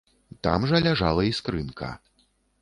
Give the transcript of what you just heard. Там жа ляжала і скрынка.